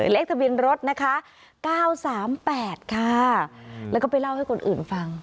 เลขทะเบียนรถนะคะ๙๓๘ค่ะแล้วก็ไปเล่าให้คนอื่นฟัง